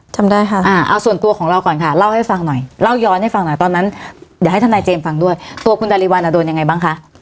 จำได้ค่ะเอาส่วนตัวของเราก่อนค่ะเล่าให้ฟังหน่อยเล่าย้อนให้ฟังหน่อยตอนนั้นเดี๋ยวให้ทนายเจมส์ฟังด้วยตัวคุณดาริวัลโดนยังไงบ้างคะ